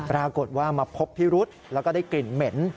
ปรากฏว่ามาพบพิรุษแล้วก็ได้กลิ่นเหม็น